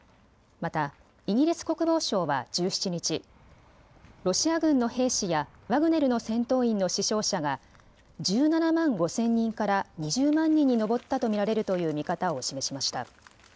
またイギリス国防省は１７日、ロシア軍の兵士やワグネルの戦闘員の死傷者が１７万５０００人から２０万人に上ったと見られるという見方を示しました。